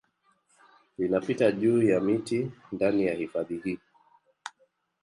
Linapita juu ya miti ndani ya hifadhi hii